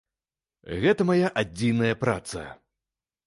Гэта мая адзіная праца.